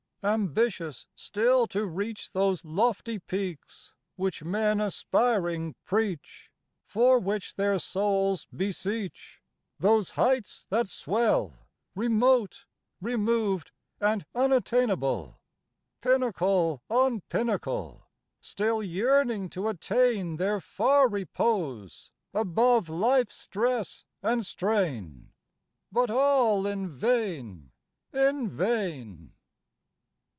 Ambitious still to reach Those lofty peaks, which men aspiring preach, For which their souls beseech: Those heights that swell Remote, removed, and unattainable, Pinnacle on pinnacle: Still yearning to attain Their far repose, above life's stress and strain, But all in vain, in vain!...